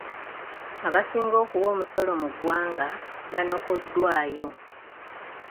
Abasinga okuwa omusolo mu ggwanga banokoddwayo.